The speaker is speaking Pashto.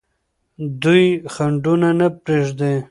دوی خنډونه نه پرېږدي.